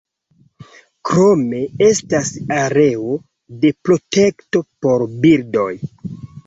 Krome estas areo de protekto por birdoj.